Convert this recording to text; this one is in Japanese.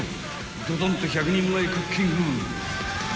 ［ドドンと１００人前クッキング］